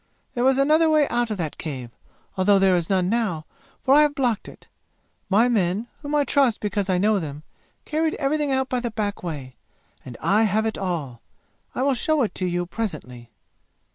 "There was another way out of that cave, although there is none now, for I have blocked it. My men, whom I trust because I know them, carried everything out by the back way, and I have it all. I will show it to you presently.